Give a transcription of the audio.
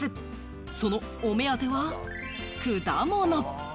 そのお目当ては果物。